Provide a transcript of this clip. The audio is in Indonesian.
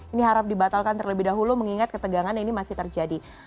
ini harap dibatalkan terlebih dahulu mengingat ketegangan ini masih terjadi